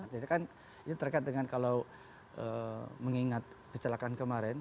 jadi kan ini terkait dengan kalau mengingat kecelakaan kemarin